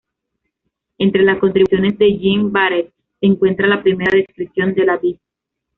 Entre las contribuciones de Jeanne Baret se encuentra la primera descripción de la vid.